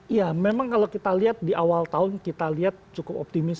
iya memang kalau kita lihat di awal tahun kita lihat cukup optimis